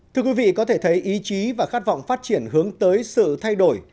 thưa quý vị có thể thấy ý chí và khát vọng phát triển hướng tới sự thay đổi